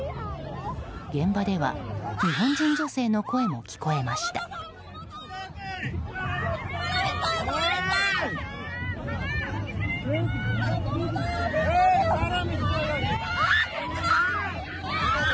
現場では日本人女性の声も聞こえました。